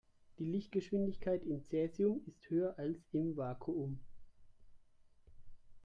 Die Lichtgeschwindigkeit in Cäsium ist höher als im Vakuum.